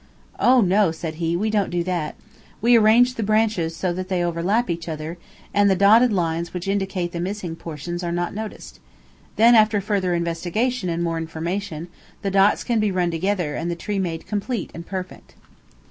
"Oh, no," said he, "we don't do that. We arrange the branches so that they overlap each other, and the dotted lines which indicate the missing portions are not noticed. Then, after further investigation and more information, the dots can be run together and the tree made complete and perfect."